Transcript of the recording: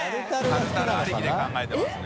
タルタルありきで考えてますね。